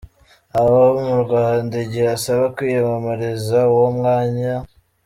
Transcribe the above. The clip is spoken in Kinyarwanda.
aba mu Rwanda igihe asaba kwiyamamariza uwo mwanyaâ€ .